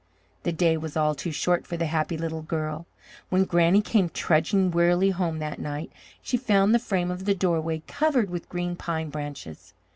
The day was all too short for the happy little girl. When Granny came trudging wearily home that night, she found the frame of the doorway covered with green pine branches.